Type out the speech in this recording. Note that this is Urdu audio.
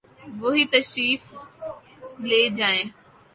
وہی تشریف لے جائیں۔